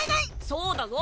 そうだぞ。